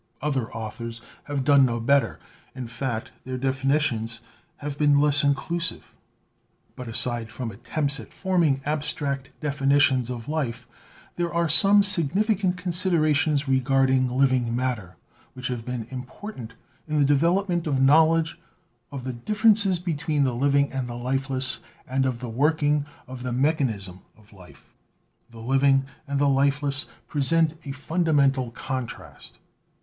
Other authors have done no better, in fact their definitions have been less inclusive. But aside from attempts at forming abstract definitions of life there are some significant considerations regarding living matter which have been important in the develop ment of knowledge of the differences between the living and the lifeless and of the working of the mechanism of life. The living and the lifeless present a fundamental con trast.